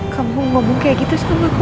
kamu ngomong seperti itu sama aku